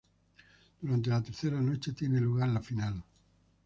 Durante la tercera noche tiene lugar la final.